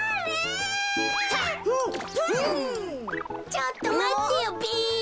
ちょっとまってよべ。